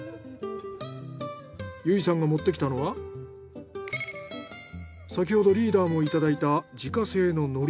由衣さんが持ってきたのは先ほどリーダーもいただいた自家製の海苔。